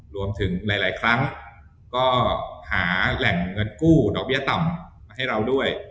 รวมถึงหลายครั้งก็หาแหล่งเงินกู้ดอกเบี้ยต่ำมาให้เราด้วย